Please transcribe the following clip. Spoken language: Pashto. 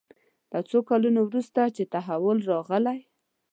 له څو کلونو وروسته چې تحول راغلی.